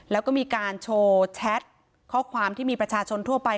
แล้วก็มีการโชว์แชทข้อความที่มีประชาชนทั่วไป